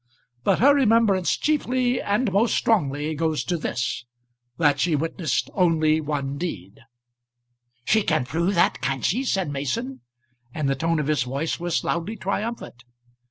But her remembrance chiefly and most strongly goes to this that she witnessed only one deed." "She can prove that, can she?" said Mason, and the tone of his voice was loudly triumphant.